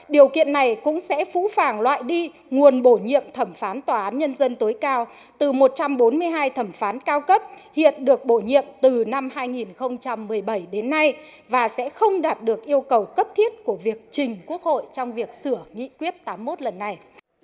điều kiện này cũng sẽ phũ phàng loại đi nguồn bổ nhiệm thẩm phán tòa án nhân dân tối cao từ một trăm bốn mươi hai thẩm phán cao cấp hiện được bổ nhiệm từ năm hai nghìn một mươi bảy đến nay và sẽ không đạt được yêu cầu cấp thiết của việc trình quốc hội trong việc sửa nghị quyết tám mươi một lần này